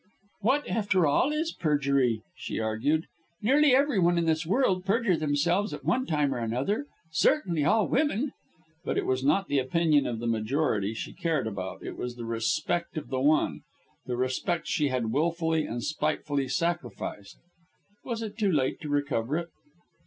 "What, after all, is perjury?" she argued. "Nearly every one in this world perjure themselves at one time or another certainly all women." But it was not the opinion of the majority she cared about it was the respect of the one; the respect she had wilfully and spitefully sacrificed. Was it too late to recover it?